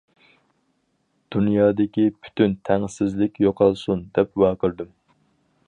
- دۇنيادىكى پۈتۈن تەڭسىزلىك يوقالسۇن!- دەپ ۋارقىرىدىم.